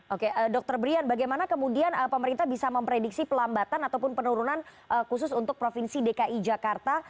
oke dr brian bagaimana kemudian pemerintah bisa memprediksi pelambatan ataupun penurunan khusus untuk provinsi dki jakarta